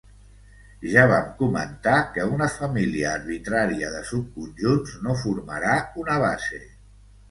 Ja vam comentar que una família arbitrària de subconjunts no formarà una base.